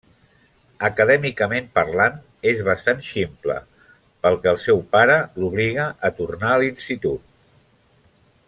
Acadèmicament parlant és bastant ximple, pel que el seu pare l'obliga a tornar a l'institut.